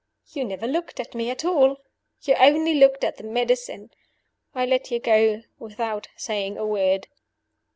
You never looked at me at all. You only looked at the medicine. I let you go without saying a word.